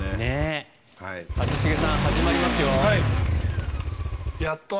一茂さん始まりますよ。